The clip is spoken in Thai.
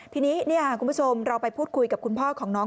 ทีนี้คุณผู้ชมเราไปพูดคุยกับคุณพ่อของน้อง